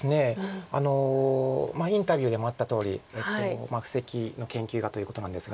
インタビューでもあったとおり布石の研究がということなんですが。